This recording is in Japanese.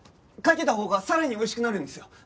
かけたほうがさらに美味しくなるんですよ。